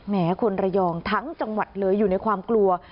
คนระยองทั้งจังหวัดเลยอยู่ในความกลัว